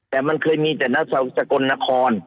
แต่มันเคยมีแต่นักศักดิ์สกลนคร